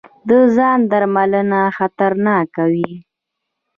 د ځاندرملنه خطرناکه وي.